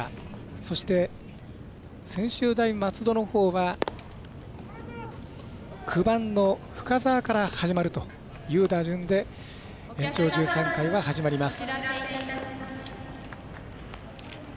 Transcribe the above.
そして、専修大松戸のほうは９番の深沢から始まるという打順で延長１３回は始まります。